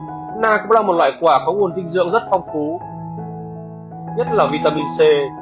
thứ năm na na cũng là một loại quả có nguồn dinh dưỡng rất phong phú nhất là vitamin c